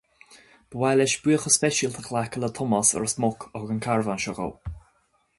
Ba mhaith leis buíochas speisialta a ghlacadh le Tomás i Ros Muc a thug an carbhán seo dhó.